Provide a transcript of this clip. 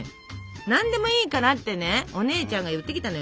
「何でもいいから」ってねお姉ちゃんが言ってきたのよ。